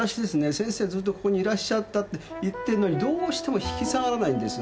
「先生ずっとここにいらっしゃった」って言ってるのにどうしても引き下がらないんですよねぇ。